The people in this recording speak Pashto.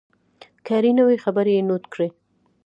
که اړینه وي خبرې یې نوټ کړئ.